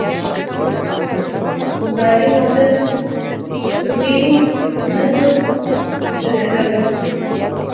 باري موټر پرې نه سو تېرېداى.